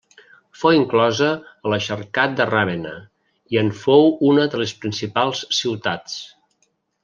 Fou inclosa a l'Exarcat de Ravenna, i en fou una de les principals ciutats.